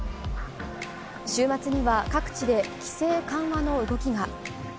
週末には各地で規制緩和の動きが。